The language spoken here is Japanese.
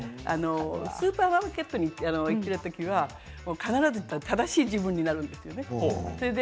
スーパーマーケットに行っている時は必ず正しい自分になるんですよね。